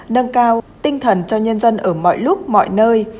nâng cao tinh thần cho nhân dân ở mọi lúc mọi nơi